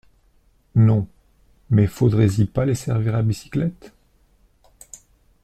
Non ! mais faudrait-y pas les servir à bicyclette !